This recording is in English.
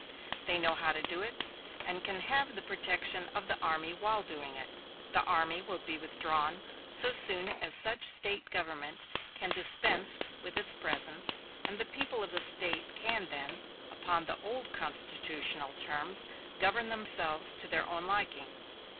They know how to do it, and can have the protection of the army while doing it. The army will be withdrawn so soon as such State government can dispense with its presence, and the people of the State can then, upon the old constitutional terms, govern themselves to their own liking."